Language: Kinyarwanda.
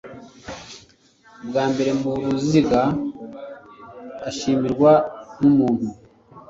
bwa mbere mu ruziga ashimirwa nk'umuntu